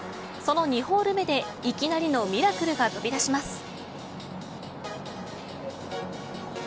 その２ホール目でいきなりのミラクルが飛び出します。